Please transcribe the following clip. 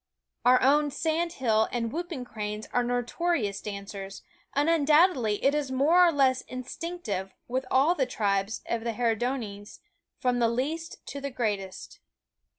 Our own sand hill and whooping cranes are notorious dancers; and undoubtedly it is more or less instinctive with all the tribes of the Herodiones, from the least to the greatest.